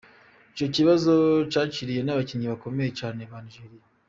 Ico kibazo cashikiriye n'abakinyi bakomeye cane ba Nigeria.